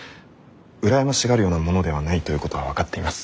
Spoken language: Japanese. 羨ましがるようなものではないということは分かっています。